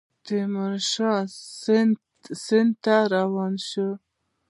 تیمورشاه سند ته روان شو.